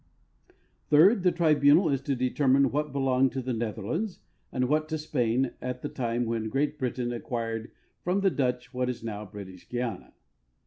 Third. The tribunal is to determine what belonged to the Netherlands and Avhat to Spain at the time when Great Britain acquired from the Dutch what is now British Guiana.